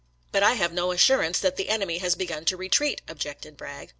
" But I have no assurance that the enemy has begun to re treat," objected Bragg.